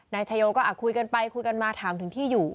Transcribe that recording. นายชายงก็คุยกันไปคุยกันมาถามถึงที่อยู่